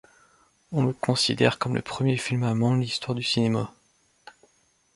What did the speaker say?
On le considère comme le premier film allemand de l'histoire du cinéma.